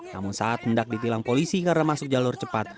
namun saat mendak ditilang polisi karena masuk jalur cepat